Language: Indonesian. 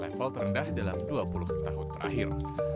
level terendah dalam dua puluh tahun terakhir